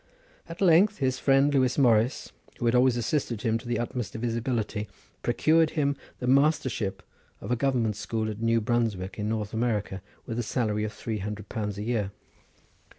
At length his friend Lewis Morris, who had always assisted him to the utmost of his ability, procured him the mastership of a government school at New Brunswick in North America with a salary of three hundred pounds a year.